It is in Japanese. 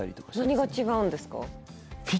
何が違うんですか？